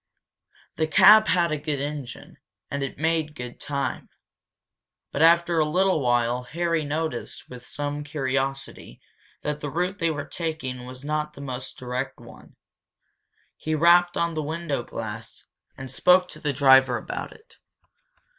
The cab had a good engine, and it made good time. But after a little while Harry noticed with some curiosity that the route they were taking was not the most direct one. He rapped on the window glass and spoke to the driver about it.